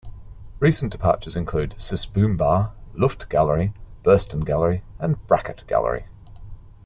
Recent departures include Sis Boom Bah, Luft Gallery, Burston Gallery and Brackett Gallery.